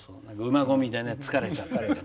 馬込みでね疲れちゃった。